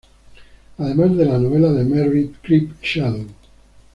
Además de la novela de Merritt "Creep, Shadow!